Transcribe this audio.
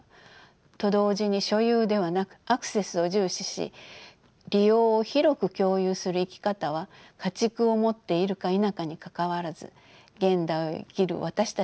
と同時に所有ではなくアクセスを重視し利用を広く共有する生き方は家畜を持っているか否かにかかわらず現代を生きる私たちにとっても参考になるのではないでしょうか。